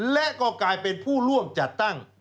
และก็กลายเป็นผู้ร่วมจัดตั้ง